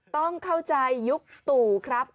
ต้องเข้าใจยุคตู่ครับ